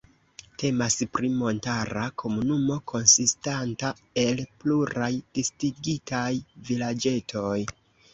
Temas pri montara komunumo, konsistanta el pluraj disigitaj vilaĝetoj.